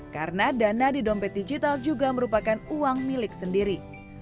karena dana di dompet digital juga merupakan uang milik sendiri